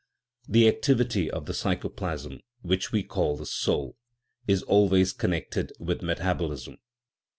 The activity of the psycho plasm, which we call the " soul/' is always connected with metabolism.